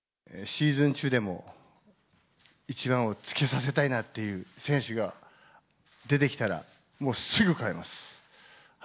シーズン中でも１番をつけさせたいなっていう選手が出てきたら、もうすぐ変えます。